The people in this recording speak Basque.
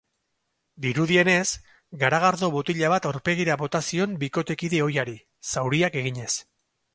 Dirudienez, garagardo botila bat aurpegira bota zion bikotekide ohiari, zauriak eginez.